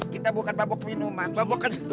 kita bukan mabok minuman mabok kentut